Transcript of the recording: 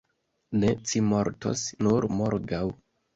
Ne, ci mortos nur morgaŭ.